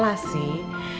gak salah sih